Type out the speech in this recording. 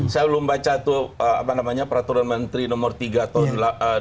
saya belum baca peraturan menteri nomor tiga tahun dua ribu delapan belas